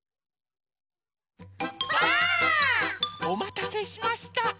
おまたせしました！